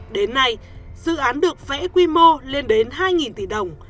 đến nay dự án được vẽ quy mô lên đến hai tỷ đồng